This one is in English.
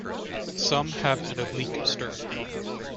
Some have an oblique stern.